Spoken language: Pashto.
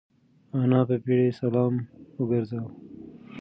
انا په بيړه سلام وگرځاوه.